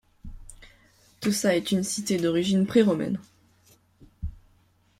Tossa est une cité d’origine pré-romaine.